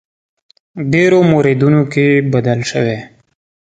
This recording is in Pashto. ډېرو موردونو کې بدل شوی.